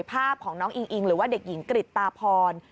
ภาพของน้องอิงอิงหรือว่าเด็กหญิงกริตตาพร